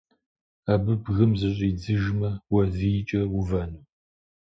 Абы бгым зыщидзыжмэ, уэ вийкӀэ увэну?